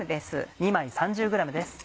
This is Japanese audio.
２枚３０ｇです。